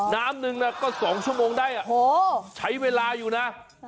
น้ำหนึ่งก็๒ชั่วโมงได้ใช้เวลาอยู่นะ